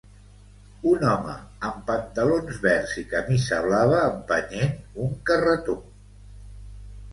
Un home amb pantalons verds i camisa blava empenyent un carretó